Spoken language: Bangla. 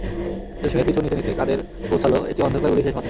জসিমের পিছু নিতে নিতে কাদের পৌঁছাল একটি অন্ধকার গলির শেষ মাথায়।